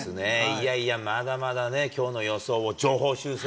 いやいや、まだまだね、きょうの予想を上方修正。